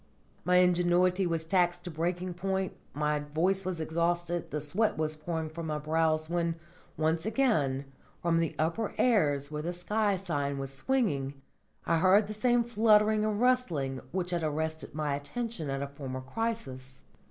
My ingenuity was taxed to breaking point, my voice was exhausted, the sweat was pouring from my brows, when, once again, from the upper airs where the sky sign was swinging, I heard the same fluttering and rustling which had arrested my attention at a former crisis.